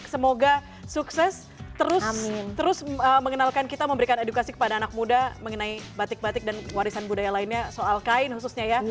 semoga sukses terus mengenalkan kita memberikan edukasi kepada anak muda mengenai batik batik dan warisan budaya lainnya soal kain khususnya ya